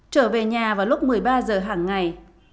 trở về nhà vào lúc một mươi ba giờ hàng ngày